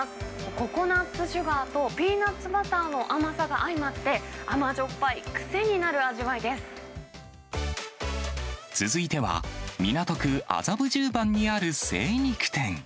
ココナツシュガーとピーナツバターの甘さが相まって、続いては、港区麻布十番にある精肉店。